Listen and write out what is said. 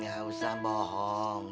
gak usah bohong